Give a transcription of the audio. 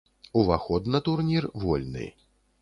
Уваход на турнір вольны.